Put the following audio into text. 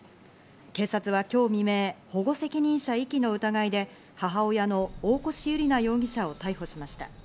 警察は今日未明、保護責任者遺棄の疑いで母親の大越悠莉奈容疑者を逮捕しました。